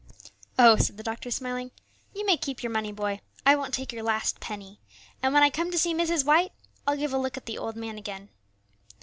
"Oh," said the doctor, smiling, "you may keep your money, boy; I won't take your last penny, and when I come to see Mrs. White I'll give a look at the old man again."